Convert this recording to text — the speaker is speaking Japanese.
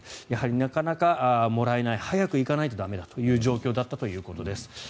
やはりなかなかもらえない早く行かないと駄目だという状況だったということです。